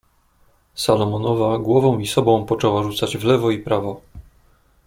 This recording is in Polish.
"Salomonowa głową i sobą poczęła rzucać w lewo i prawo."